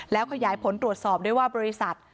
แล้วขยายผลตรวจสอบด้วยว่าบริษัท